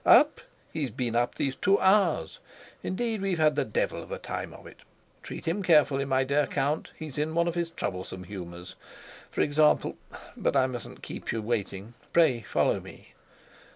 "Up! He's been up these two hours. Indeed we've had the devil of a time of it. Treat him carefully, my dear Count; he's in one of his troublesome humors. For example but I mustn't keep you waiting. Pray follow me."